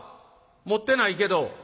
持ってないけど。